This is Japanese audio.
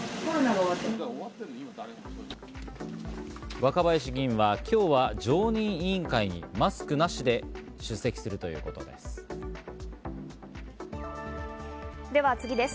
若林議員は今日は常任委員会にマスクなしで出席するということです。